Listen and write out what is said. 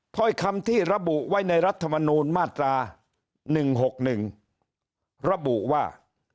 ถ้อยคำที่ระบุไว้ในรัฐมนูลมาตรา๑๖๑ระบุว่า